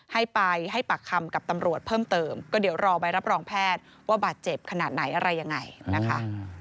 ให้ไปให้ปากคำกับตำรวจเพิ่มเติมก็เดี๋ยวรอใบรับรองแพทย์ว่าบาดเจ็บขนาดไหนอะไรยังไงนะคะ